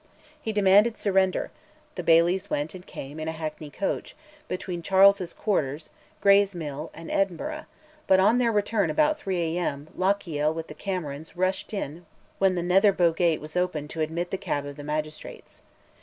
He demanded surrender, the bailies went and came, in a hackney coach, between Charles's quarters, Gray's Mill, and Edinburgh, but on their return about 3 A.M. Lochiel with the Camerons rushed in when the Nether Bow gate was opened to admit the cab of the magistrates.